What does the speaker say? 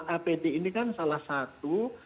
apd ini kan salah satu